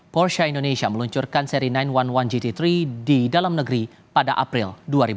porsha indonesia meluncurkan seri sembilan satu gt tiga di dalam negeri pada april dua ribu dua puluh